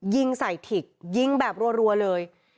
ยิงใส่ถิกยิงแบบรัวเลย